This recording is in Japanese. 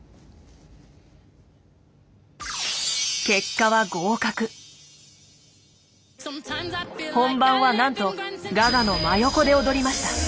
結果は本番はなんとガガの真横で踊りました。